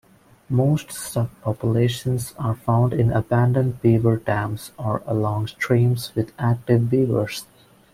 Most subpopulations are found in abandoned beaver dams or along streams with active beavers.